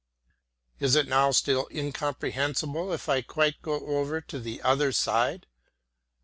Is it now still incomprehensible if I quite go over to the other side?